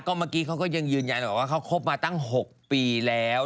เมื่อกี้เขาก็ยังยืนยันว่าเขาคบมาตั้ง๖ปีแล้ว